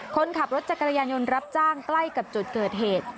คนขับรถจักรยานยนต์รับจ้างใกล้กับจุดเกิดเหตุ